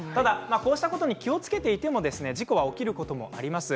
こうしたことに気をつけていても事故は起きることがあります。